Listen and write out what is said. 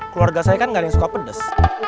keluarga saya kan gak ada yang suka pedes